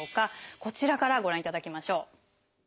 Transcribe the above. こちらからご覧いただきましょう。